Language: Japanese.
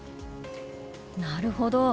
なるほど。